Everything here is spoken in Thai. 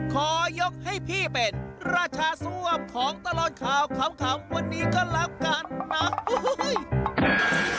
ขอยกให้พี่เป็นราชาซ่วมของตลอดข่าวขำวันนี้ก็แล้วกันนะ